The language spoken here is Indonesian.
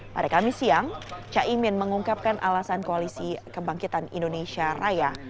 pada kamis siang caimin mengungkapkan alasan koalisi kebangkitan indonesia raya